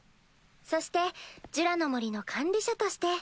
そしてジュラの森の管理者として。